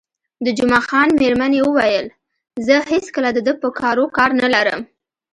د جمعه خان میرمنې وویل: زه هېڅکله د ده په کارو کار نه لرم.